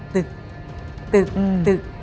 ตึกตึกตึก